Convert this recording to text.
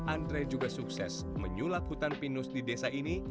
andre juga sukses menyulap hutan pinus di desa ini